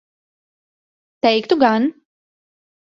Teiktu gan.